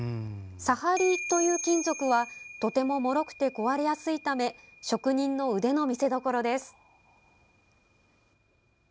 砂張という金属はとてももろくて壊れやすいため職人の腕の見せ所です。